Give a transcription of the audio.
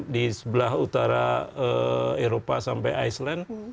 di sebelah utara eropa sampai iceland